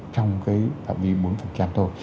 trong cái phạm vi bốn